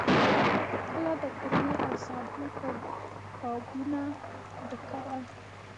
کله د قورمې او سابو قابونه ډکول.